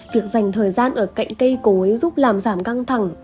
việc dành thời gian ở cạnh cây cối giúp làm giảm căng thẳng